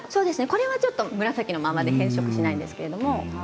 これは紫のままで変色しないんですけれど。